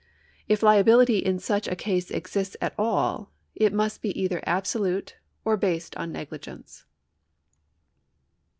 If liability in such a case exists at all, it must be either absolute or based on negligence.